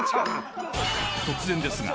［突然ですが］